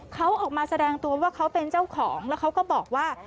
เขาออกมาแสดงตัวว่าเขาเป็นเจ้าของแล้วเขาก็บอกว่า